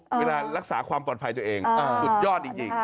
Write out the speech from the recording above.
อ๋อเวลารักษาความปลอดภัยตัวเองอ๋อสุดยอดจริงจริงอ่า